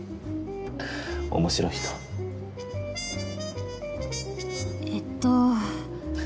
面白い人えっと